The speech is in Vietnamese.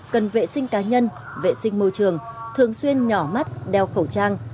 cần vệ sinh cá nhân vệ sinh môi trường thường xuyên nhỏ mắt đeo khẩu trang